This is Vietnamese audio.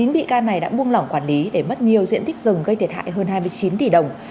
chín bị can này đã buông lỏng quản lý để mất nhiều diện tích rừng gây thiệt hại hơn hai mươi chín tỷ đồng